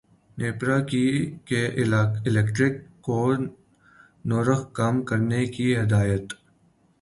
نیپرا کی کے الیکٹرک کو نرخ کم کرنے کی ہدایت